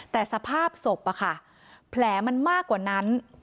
แต่สภาพศพแผลมันมากกว่านั้น